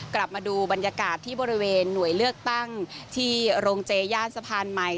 กลับมาดูบรรยากาศที่บริเวณหน่วยเลือกตั้งที่โรงเจย่านสะพานใหม่